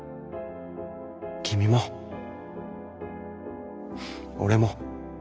君も俺も。